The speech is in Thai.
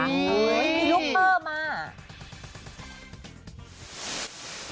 นี่มียุคเพิ่ลมาโอ้ย